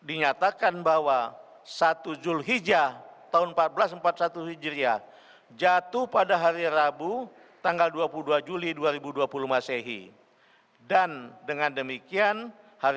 ini adalah hal yang sangat penting